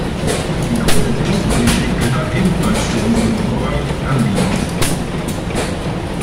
Die Kohäsionspolitik gehört ebenfalls zu unseren vorrangigen Anliegen.